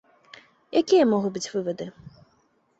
Якія могуць быць вывады?